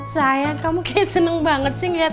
sayang kamu kayak seneng banget sih ngeliat kasur